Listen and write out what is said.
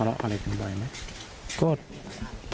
ฝากก็ได้